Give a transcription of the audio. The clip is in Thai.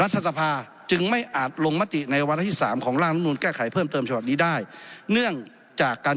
ทั้งหมดเป็นความเห็นจาก๓ส่วน